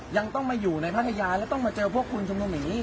ยังต้องมาอยู่ในพัทยาแล้วต้องมาเจอพวกคุณชุมนุมอย่างนี้